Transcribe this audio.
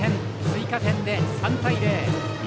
追加点で３対０。